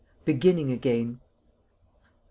BEGINNING AGAIN. Mr.